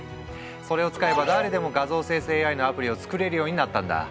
それを使えば誰でも画像生成ＡＩのアプリを作れるようになったんだ。